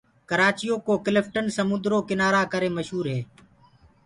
ڪرآچي يو ڪو ڪِلٽن سموندرو ڪنآرآ ڪرآ ڪري مشوُر هي۔